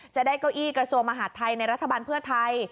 เก้าอี้กระทรวงมหาดไทยในรัฐบาลเพื่อไทย